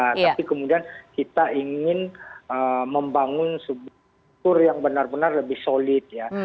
tapi kemudian kita ingin membangun sebuah kur yang benar benar lebih solid ya